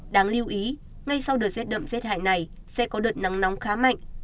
đáng lưu ý ngay sau đợt rét đậm rét hại này sẽ có đợt nắng nóng khá mạnh